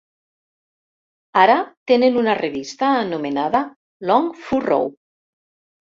Ara tenen una revista anomenada "Long Furrow".